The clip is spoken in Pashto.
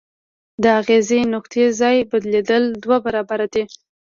د اغیزې نقطې ځای بدلیدل دوه برابره دی.